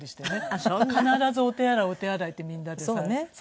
必ずお手洗いお手洗いってみんなで騒いでこう。